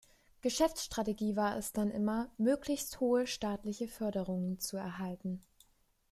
Geschäftsstrategie war es dann immer, möglichst hohe staatliche Förderungen zu erhalten.